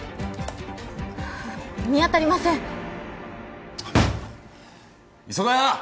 見当たりません磯ヶ谷！